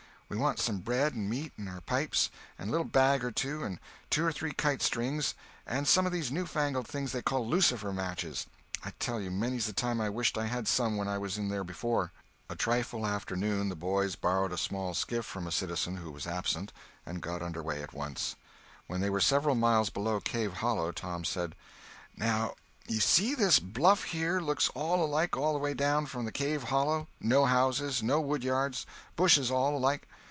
We want some bread and meat, and our pipes, and a little bag or two, and two or three kite strings, and some of these new fangled things they call lucifer matches. I tell you, many's the time I wished I had some when I was in there before." A trifle after noon the boys borrowed a small skiff from a citizen who was absent, and got under way at once. When they were several miles below "Cave Hollow," Tom said: "Now you see this bluff here looks all alike all the way down from the cave hollow—no houses, no wood yards, bushes all alike.